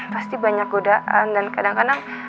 pasti banyak godaan dan kadang kadang